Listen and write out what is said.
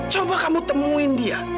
coba kamu temuin dia